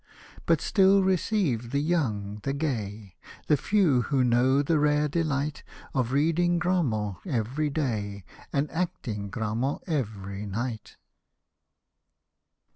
But still receive the young, the gay. The few^ who know the rare delight Of reading Grammont every day, And acting Grammont every night.